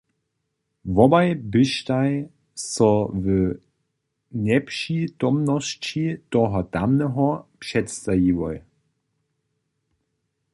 Wobaj běštaj so w njepřitomnosći toho tamneho předstajiłoj.